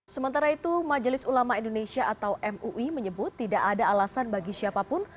sementara itu majelis ulama indonesia atau mui menyebut tidak ada alasan bagi siapapun